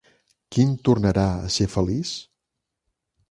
Quin tornarà a ser feliç?